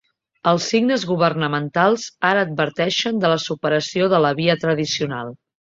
Els signes governamentals ara adverteixen de la superació de la via tradicional.